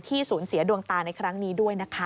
สูญเสียดวงตาในครั้งนี้ด้วยนะคะ